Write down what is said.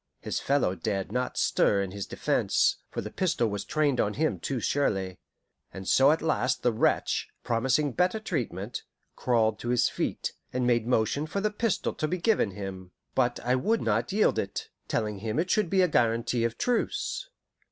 His fellow dared not stir in his defence, for the pistol was trained on him too surely; and so at last the wretch, promising better treatment, crawled to his feet, and made motion for the pistol to be given him. But I would not yield it, telling him it should be a guarantee of truce.